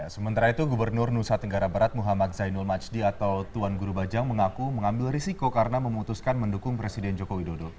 sementara itu gubernur nusa tenggara barat muhammad zainul majdi atau tuan guru bajang mengaku mengambil risiko karena memutuskan mendukung presiden joko widodo